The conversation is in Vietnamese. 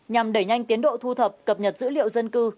nhằm đẩy nhanh tiến độ thu thập cập nhật dữ liệu dân cư